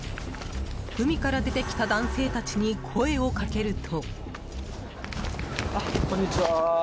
海から出てきた男性たちに声をかけると。